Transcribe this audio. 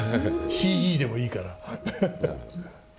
ＣＧでもいいから。